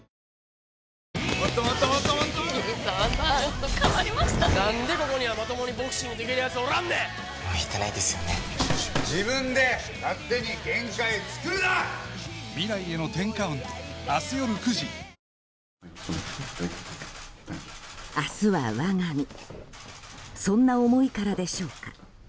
そんな思いからでしょうか。